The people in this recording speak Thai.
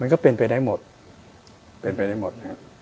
มันก็เป็นไปได้หมด